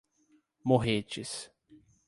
Morretes